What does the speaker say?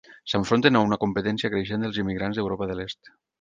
S'enfronten a una competència creixent dels immigrants d'Europa de l'Est.